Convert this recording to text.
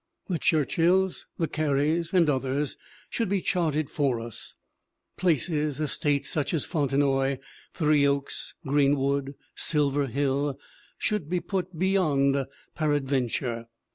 The Churchills, the Carys and others should be charted for us; places, estates, such as Fontenoy, Three Oaks, Greenwood, Silver Hill, should be put beyond peradventure.